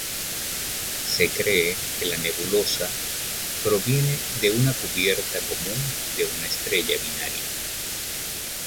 Se cree que la nebulosa proviene de una cubierta común de una estrella binaria.